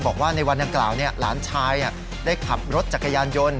บอกว่าในวันดังกล่าวหลานชายได้ขับรถจักรยานยนต์